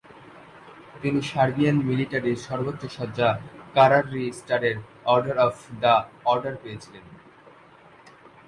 তিনি সার্বিয়ান মিলিটারির সর্বোচ্চ সজ্জা কারাররি স্টারের অর্ডার অফ দ্য অর্ডারপেয়েছিলেন।